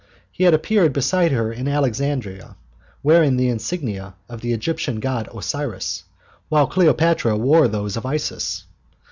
He had appeared beside her in Alexandria wearing the insignia of the Egyptian god Osiris, while Cleopatra wore those of Isis.